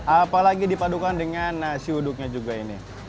apalagi dipadukan dengan nasi uduknya juga ini